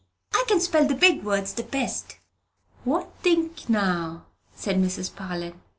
I can spell the big words the best." "What think now?" said Mrs. Parlin.